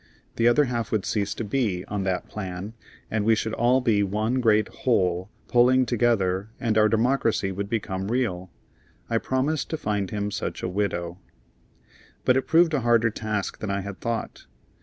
The other half would cease to be, on that plan, and we should all be one great whole, pulling together, and our democracy would become real. I promised to find him such a widow. But it proved a harder task than I had thought.